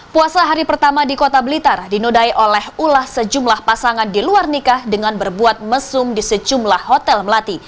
puasa hari pertama di kota blitar dinodai oleh ulah sejumlah pasangan di luar nikah dengan berbuat mesum di sejumlah hotel melati